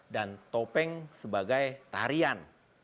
dan topeng sebagai tarian